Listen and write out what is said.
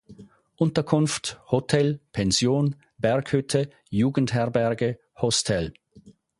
Unterkunft: Hotel, Pension, Berghütte, Jugendherberge, Hostel